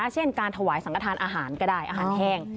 เช่นการถวายสังกระทานอาหารก็ได้อาหารแห้ง